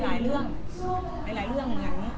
หลายเรื่องหลายเรื่อง